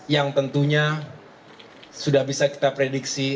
yang tentunya sudah bisa kita prediksi